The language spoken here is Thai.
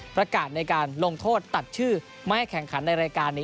ประกาศในการลงโทษตัดชื่อไม่ให้แข่งขันในรายการนี้